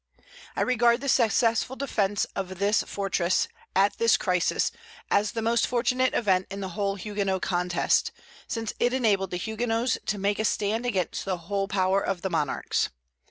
I regard the successful defence of this fortress, at this crisis, as the most fortunate event in the whole Huguenot contest, since it enabled the Huguenots to make a stand against the whole power of the monarchs.